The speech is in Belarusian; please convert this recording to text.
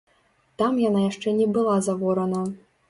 Там яна яшчэ не была заворана.